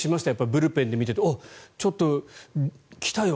ブルペンで見ていておっ、ちょっと来たよ